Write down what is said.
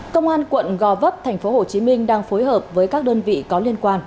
công an quận gò vấp thành phố hồ chí minh đang phối hợp với các đơn vị có liên quan